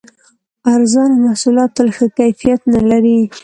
ارزانه محصولات تل ښه کیفیت نه لري.